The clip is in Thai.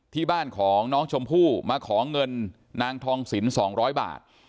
ที่บ้านของน้องชมพู่มาขอเงินนางทองสิน๒๐๐บาท